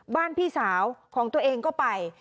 พี่สาวของตัวเองก็ไป